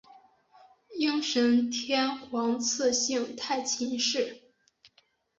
应神天皇赐姓太秦氏。